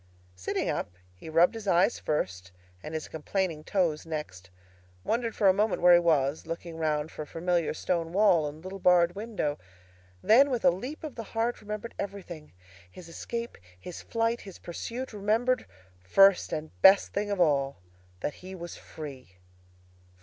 Sitting up, he rubbed his eyes first and his complaining toes next, wondered for a moment where he was, looking round for familiar stone wall and little barred window; then, with a leap of the heart, remembered everything—his escape, his flight, his pursuit; remembered, first and best thing of all, that he was free!